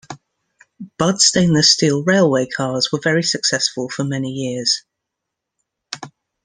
Budd stainless steel railway cars were very successful for many years.